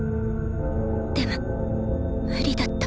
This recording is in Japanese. でも無理だった。